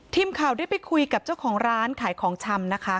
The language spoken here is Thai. ทีมข่าวได้ไปคุยกับเจ้าของร้านขายของชำนะคะ